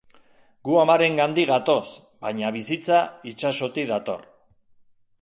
Gu amarengandik gatoz, baina bizitza itsasotik dator.